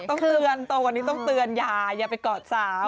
ต้องเตือนโตวันนี้ต้องเตือนอย่าไปกอดสาว